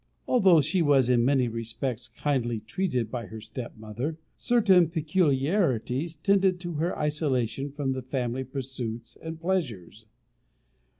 Although she was in many respects kindly treated by her stepmother, certain peculiarities tended to her isolation from the family pursuits and pleasures.